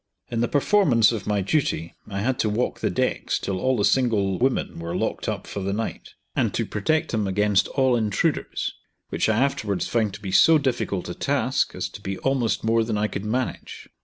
In the performance of my duty I had to walk the decks till all the single women were locked up for the night, and to protect them against all intruders, which I afterwards found to be so difficult a task, as to be almost more than I could manage.